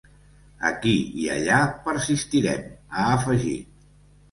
Aquí i allà, persistirem, ha afegit.